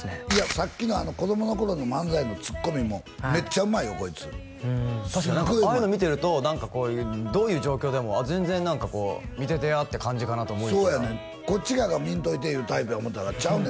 さっきの子供の頃の漫才のツッコミもメッチャうまいよこいつすごいうまいああいうの見てるとどういう状況でも全然なんかこう見ててやって感じかなと思いきやそうやねんこっち側が見んといていうタイプや思ったらちゃうね